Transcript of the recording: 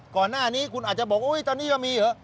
ก่อนหน้านี้คุณอาจจะบอกว่าตอนนี้ก็มีเหรอ